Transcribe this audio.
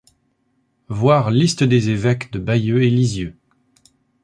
Voir Liste des évêques de Bayeux et Lisieux.